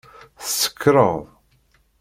Tsekṛeḍ!